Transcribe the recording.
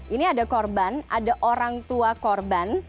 ini ada korban ada orang tua korban